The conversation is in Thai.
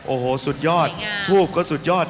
โอ้โหสุดยอดทูบก็สุดยอด